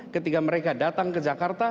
ketika mereka datang ke jakarta